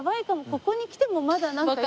ここに来てもまだなんかよく。